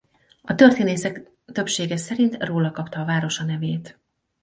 A történészek többsége szerint róla kapta a város a nevét.